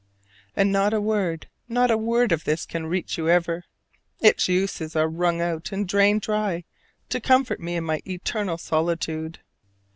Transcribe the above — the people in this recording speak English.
And not a word, not a word of this can reach you ever! Its uses are wrung out and drained dry to comfort me in my eternal solitude.